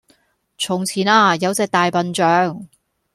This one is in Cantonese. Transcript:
從前呀有隻大笨象